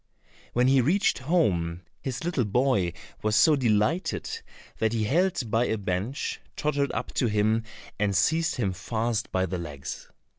When he reached home, his little boy was so delighted that he held by a bench, tottered up to him and seized him fast by the legs.